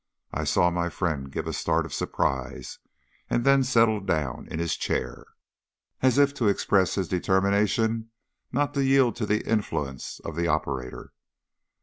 I saw my friend give a start of surprise, and then settle down in his chair, as if to express his determination not to yield to the influence of the operator.